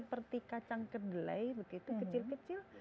ada kanker gelai begitu kecil kecil